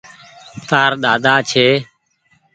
تآر ۮاۮا ڇي۔